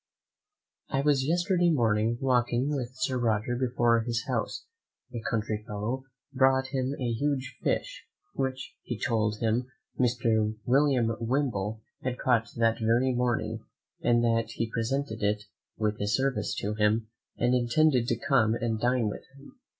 I was yesterday morning walking with Sir Roger before his house, a country fellow brought him a huge fish, which, he told him, Mr. William Wimble had caught that very morning; and that he presented it, with his service to him, and intended to come and dine with him.